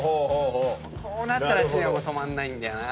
こうなったら知念は止まんないんだよな。